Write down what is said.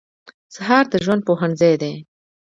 سهار د ژوند پوهنځی دی.